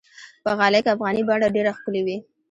په غالۍ کې افغاني بڼه ډېره ښکلي وي.